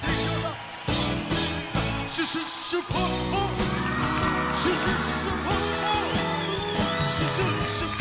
「シュッシュッシュッポッポ」「シュッシュッシュッポッポ」「シュッシュッシュッポ」